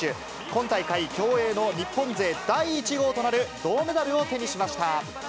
今大会競泳の日本勢第１号となる銅メダルを手にしました。